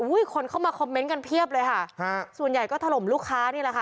คนเข้ามาคอมเมนต์กันเพียบเลยค่ะฮะส่วนใหญ่ก็ถล่มลูกค้านี่แหละค่ะ